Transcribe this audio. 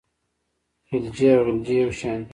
خلجي او غلجي یو شان دي.